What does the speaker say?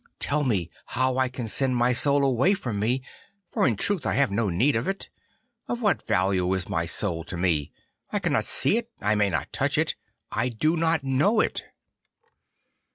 Tell me how I can send my soul away from me, for in truth I have no need of it. Of what value is my soul to me? I cannot see it. I may not touch it. I do not know it.